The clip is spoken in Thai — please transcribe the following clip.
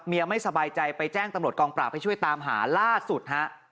ไม่สบายใจไปแจ้งตำรวจกองปราบให้ช่วยตามหาล่าสุดฮะ